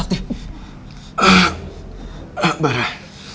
aku mau ke rumah